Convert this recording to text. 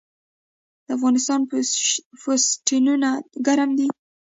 د افغانستان پوستینونه ګرم دي